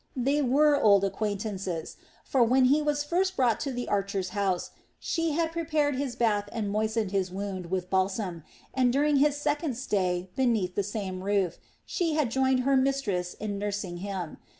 They were old acquaintances; for when he was first brought to the archer's house she had prepared his bath and moistened his wound with balsam, and during his second stay beneath the same roof, she had joined her mistress in nursing him.